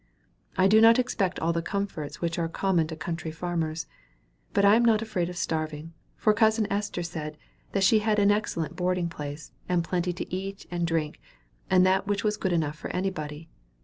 I do not expect all the comforts which are common to country farmers; but I am not afraid of starving, for cousin Esther said, that she had an excellent boarding place, and plenty to eat, and drink, and that which was good enough for anybody.